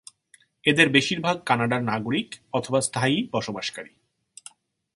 এদের বেশীর ভাগ কানাডার নাগরিক অথবা স্থায়ী বসবাসকারী।